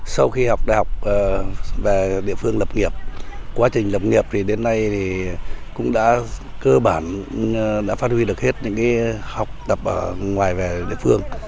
sau khi học đại học về địa phương lập nghiệp quá trình lập nghiệp thì đến nay cũng đã cơ bản đã phát huy được hết những học tập ở ngoài về địa phương